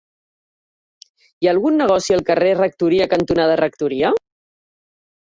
Hi ha algun negoci al carrer Rectoria cantonada Rectoria?